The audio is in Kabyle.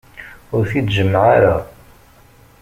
Ur t-id-jemmeɛ ara.